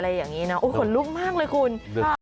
โอ้มันแย่ลเลยคุณ